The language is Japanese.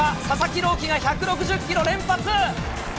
佐々木朗希が１６０キロ連発。